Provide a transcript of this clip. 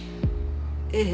ええ。